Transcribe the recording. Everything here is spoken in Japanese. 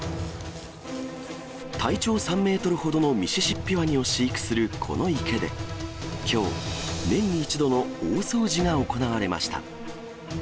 体長３メートルほどのミシシッピワニを飼育するこの池で、きょう、年に一度の大掃除が行われました。